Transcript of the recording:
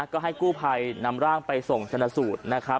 ก็ให้กู่ภัยนำร่างไปส่งชนสูตร